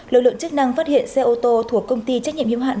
lực lượng chức năng phát hiện xe ô tô thuộc công ty trách nhiệm hiệu hạn